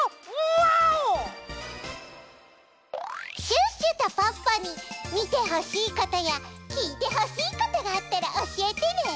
シュッシュとポッポにみてほしいことやきいてほしいことがあったらおしえてね！